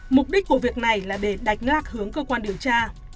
mục đích của việc này là để đành ngạc hướng cơ quan điều tra